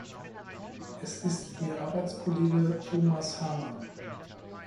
Es ist ihr Arbeitskollege Thomas Hamann.